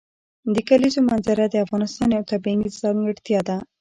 د کلیزو منظره د افغانستان یوه طبیعي ځانګړتیا ده.